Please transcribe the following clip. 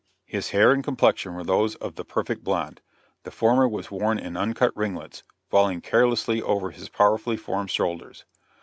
His hair and complexion were those of the perfect blonde. The former was worn in uncut ringlets, falling carelessly over his powerfully formed shoulders.